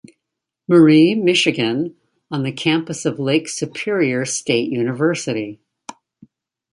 Marie, Michigan on the campus of Lake Superior State University.